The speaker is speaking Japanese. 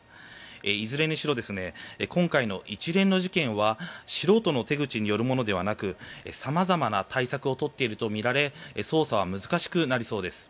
いずれにしろ今回の一連の事件は素人の手口によるものではなく様々な対策を取っているとみられ捜査は難しくなりそうです。